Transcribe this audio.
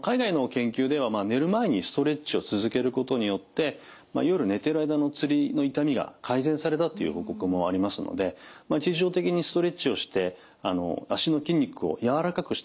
海外の研究では寝る前にストレッチを続けることによって夜寝てる間のつりの痛みが改善されたっていう報告もありますので日常的にストレッチをして足の筋肉を柔らかくしておく。